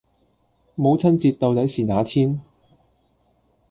母親節到底是那天？